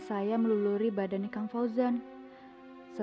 sejauh ini waktu ini penta udara